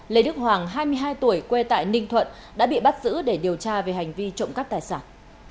lê đức hoàng hai mươi hai tuổi quê tại ninh thuận đã bị bắt giữ để điều tra về hành vi trộm các laptop